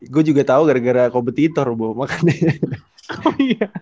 gue juga tau gara gara kompetitor bu makanya